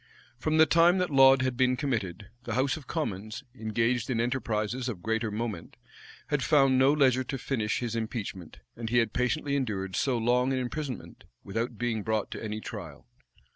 From the time that Laud had been committed, the house of commons, engaged in enterprises of greater moment, had found no leisure to finish his impeachment, and he had patiently endured so long an imprisonment, without being brought to any trial.